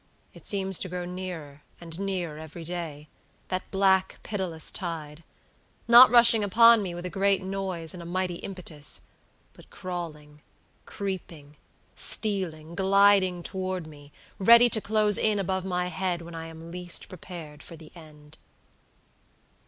It seems to grow nearer and nearer every day, that black, pitiless tide; not rushing upon me with a great noise and a mighty impetus, but crawling, creeping, stealing, gliding toward me, ready to close in above my head when I am least prepared for the end."